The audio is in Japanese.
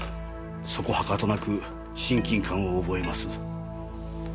そこはかとなく親近感を覚えます。